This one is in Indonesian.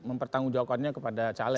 bertanggung jawabannya kepada caleg